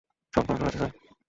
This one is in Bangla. সব কন্ট্রোলে আছে স্যার।